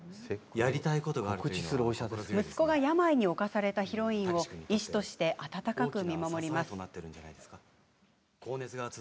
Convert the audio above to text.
息子が病に冒されたヒロインを医師として温かく見守ります。